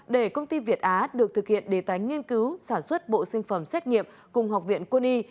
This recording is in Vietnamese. để công ty việt á được thực hiện đề tánh nghiên cứu sản xuất bộ sinh phẩm xét nghiệm cùng học viện quân y